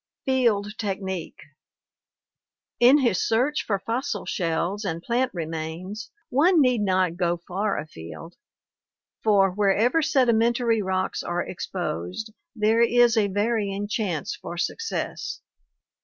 Field Technique In his search for fossil shells and plant remains one need not go far afield, for wherever sedimentary rocks are exposed there is a varying chance for success.